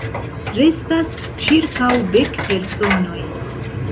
Restas ĉirkaŭ dek personoj.